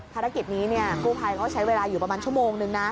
ภารกิจนี้กู้ภัยเขาใช้เวลาอยู่ประมาณชั่วโมงนึงนะ